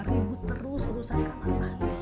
rindu terus rusak kamar mandi